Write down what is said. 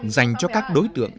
dành cho các đối tượng